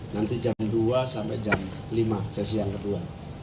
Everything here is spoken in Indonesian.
nanti jam dua sampai jam lima sesi yang kedua